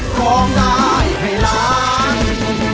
พาทางเธ